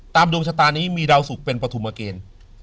ตามโดมชะตานี้มีดาวศุกรเป็นปฐุมเกรน